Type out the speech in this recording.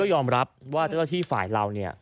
ยอมรับว่าเจ้าหน้าที่ฝ่ายเราเนี่ย